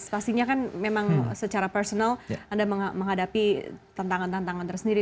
pastinya kan memang secara personal anda menghadapi tantangan tantangan tersendiri